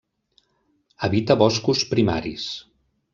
Habita boscos primaris.